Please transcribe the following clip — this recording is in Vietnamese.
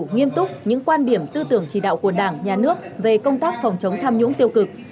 nghiêm túc những quan điểm tư tưởng chỉ đạo của đảng nhà nước về công tác phòng chống tham nhũng tiêu cực